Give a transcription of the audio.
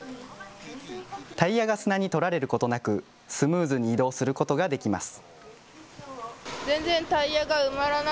タイヤが砂に取られることなくスムーズに移動することができます。